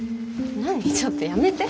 ちょっとやめて。